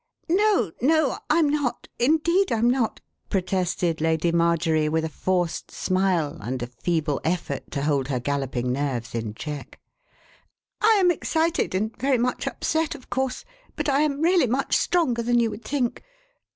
"No, no, I'm not; indeed, I'm not!" protested Lady Marjorie with a forced smile and a feeble effort to hold her galloping nerves in check. "I am excited and very much upset, of course, but I am really much stronger than you would think.